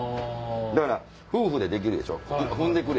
だから夫婦でできるでしょ踏んでくれ！